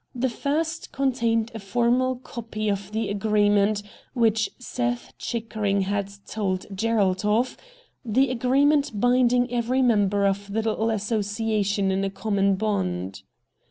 The first contained a formal copy of the agreement w^hich Seth Chickering had told Gerald of — the agreement binding every member of the little association in a common bond.